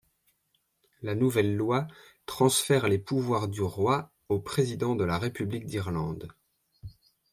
La nouvelle loi transfère les pouvoirs du Roi au Président de la République d'Irlande.